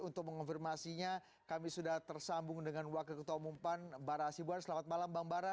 untuk mengonfirmasinya kami sudah tersambung dengan wakil ketua umum pan bara asibuan selamat malam bang bara